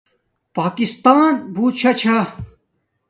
پاکستان بوت شاہ چھا